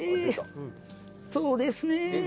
そうですね。